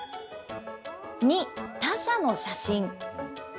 ２、他者の写真。